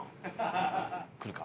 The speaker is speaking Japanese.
来るか？